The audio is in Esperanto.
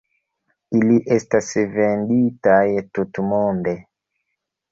Ili estas venditaj tutmonde.